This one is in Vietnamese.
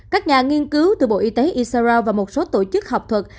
các nhà nghiên cứu từ bộ y tế isarao và một số tổ chức học thuật